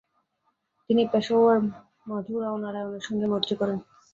তিনি পেশওয়ার মাধু রাও নারায়ণের সাথে মৈত্রী করেন।